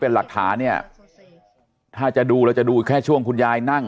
เป็นหลักฐานเนี่ยถ้าจะดูเราจะดูแค่ช่วงคุณยายนั่ง